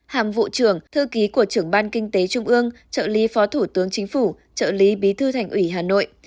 hàm vụ trưởng thư ký của trưởng ban kinh tế trung ương trợ lý phó thủ tướng chính phủ trợ lý bí thư thành ủy hà nội